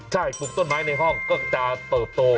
ใช่ปลูกต้นไม้ในห้องก็จะเติบโต